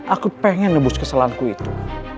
aku pengen nebus keselanku itu